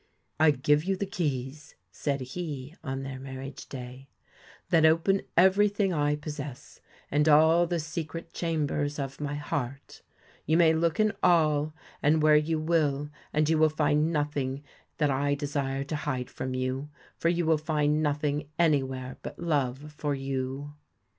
'I give you the keys,' said he, on their marriage day, 'that open everything I possess, and all the secret chambers of my heart You may look in all, and where you will, and you will find nothing that I desire to hide from you for you will find nothing anywhere but love for you.'